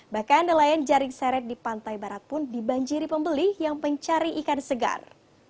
bahkan nelayan jaring serek di pantai barat pun dibanjiri pembeli yang pencari ikan segar